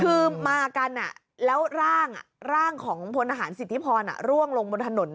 คือมากันแล้วร่างของพลทหารสิทธิพรร่วงลงบนถนน